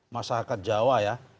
masyarakat jawa ya